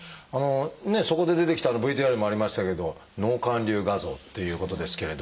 そこで出てきたＶＴＲにもありましたけど脳灌流画像っていうことですけれど。